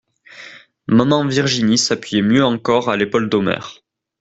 Maman Virginie s'appuyait mieux encore à l'épaule d'Omer.